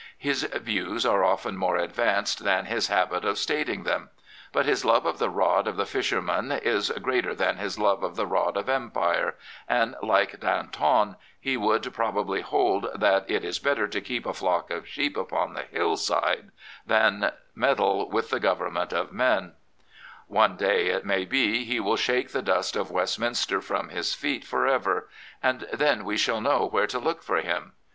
His views are often more advanced than his habit of stating them. But his love of the rod of the fisher man is greater than his love of the rod of Empire, and, like Danjqn, he would probably hold that 'Mt is better fo keep a flocETof sheep upon the hillside than meddle 0"^ day. it may be. he shake the dost of Westminster from his feet 78 Sir Edward Grey for ever, and then we shall know where to look for him.